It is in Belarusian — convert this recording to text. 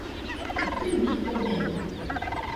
У тым ліку ў мяне.